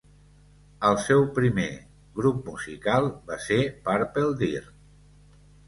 El seu primer grup musical va ser Purple Dirt.